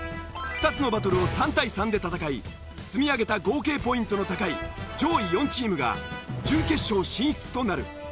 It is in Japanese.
２つのバトルを３対３で戦い積み上げた合計ポイントの高い上位４チームが準決勝進出となる。